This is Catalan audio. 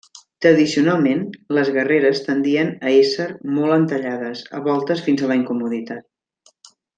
Tradicionalment les guerreres tendien a ésser molt entallades, a voltes fins a la incomoditat.